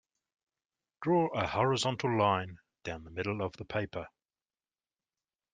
Draw a horizontal line down the middle of the paper.